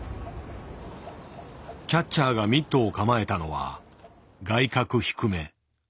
キャッチャーがミットを構えたのは外角低め。